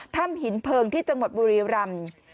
ถ้ำหินเพลิงที่จังหวัดบุรีรำ